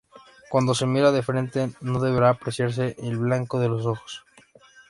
Cuando se mira de frente no deberá apreciarse el blanco de los ojos.